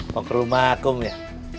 mau ke rumah akung ya